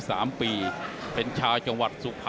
นักมวยจอมคำหวังเว่เลยนะครับ